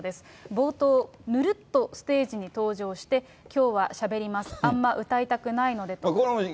冒頭、ぬるっとステージに登場して、きょうはしゃべります、あんま歌いたくないのでと。